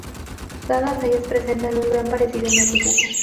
Todas ellas presentan un gran parecido en el dibujo.